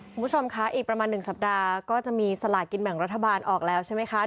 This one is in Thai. คุณผู้ชมคะอีกประมาณ๑สัปดาห์ก็จะมีสลากินแบ่งรัฐบาลออกแล้วใช่ไหมคะ